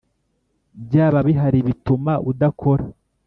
byaba bihari bituma udakora